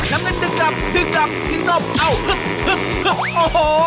น้ำงึนดึกลำดึกลำสีส้มเอ้าฮึบฮึบฮึบโอโห